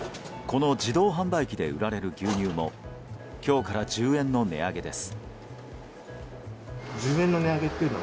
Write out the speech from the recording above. この自動販売機で売られる牛乳も今日から１０円の値上げです。